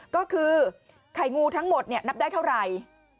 ก็คือไข่งูทั้งหมดนับได้เท่าไหร่